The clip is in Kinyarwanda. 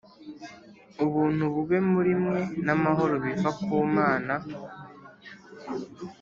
Ubuntu bube muri mwe n amahoro biva ku Mana